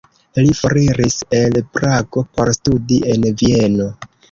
Li foriris el Prago por studi en Vieno.